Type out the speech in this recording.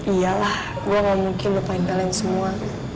iya lah gue gak mungkin lupain kalian semua